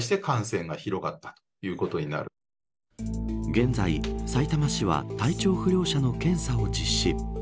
現在、さいたま市は体調不良者の検査を実施。